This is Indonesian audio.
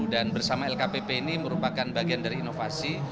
dan bersama lkpp ini merupakan bagian dari inovasi